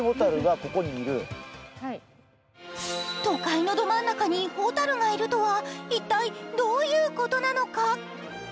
都会のど真ん中にほたるがいるとは一体どういうことなのか？